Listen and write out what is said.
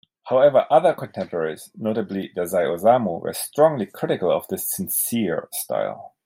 However, other contemporaries, notably Dazai Osamu, were strongly critical of this "sincere" style.